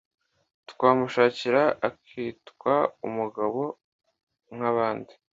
twamushakira akitwa umugabo nkabandi